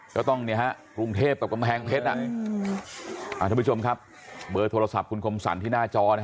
ก็ต้องกรุงเทพกับกำแพงเพชรท่านผู้ชมครับเบอร์โทรศัพท์คุณคมสรรที่หน้าจอ